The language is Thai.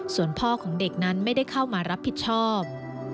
ส่วนพ่อของเด็กนั้นไม่ได้เข้ามารับผิดชอบ